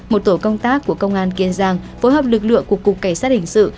một tổ công tác của công an kiên giang phối hợp lực lượng của cục cảnh sát hình sự